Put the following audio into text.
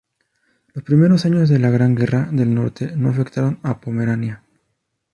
Los primeros años de la Gran Guerra del Norte no afectaron a Pomerania.